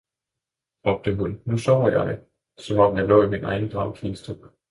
råbte hun, nu sover jeg, som om jeg lå i min egen dragkiste!